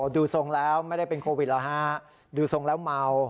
ดูทรงแล้วไม่ได้เป็นโควิดแล้วฮะดูทรงแล้วเมา